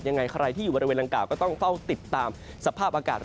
ยังไงใครที่อยู่บริเวณดังกล่าก็ต้องเฝ้าติดตามสภาพอากาศ